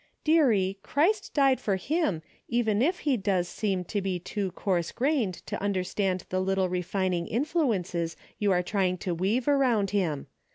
" Dearie, Christ died for him, even if he does seem to be too coarse grained to understand the little refining infiuences you are trying to weave around him.